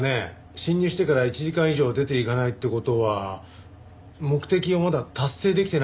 侵入してから１時間以上出ていかないって事は目的をまだ達成できてないって事なんでしょうか？